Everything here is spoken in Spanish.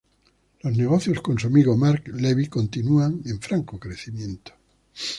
Los negocios con su amigo Mark Levy continúan en franco crecimiento.